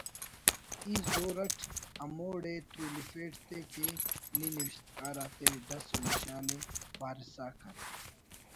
ای زور اٹ ہموڑے تولفیٹ تے کہ نی نوشتکار آتے ڈس و نشانءِ پارسا کر